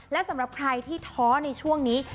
และสำหรับใครที่ท้อในช่วงนี้